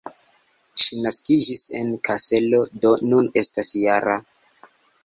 Ŝi naskiĝis en Kaselo, do nun estas -jara.